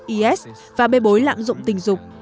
yes và bê bối lạng dụng tình dục